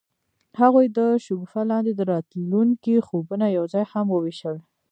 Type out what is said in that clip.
هغوی د شګوفه لاندې د راتلونکي خوبونه یوځای هم وویشل.